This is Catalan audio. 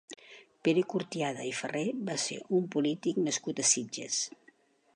Pere Curtiada i Ferrer va ser un polític nascut a Sitges.